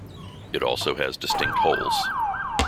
It also has distinct holes.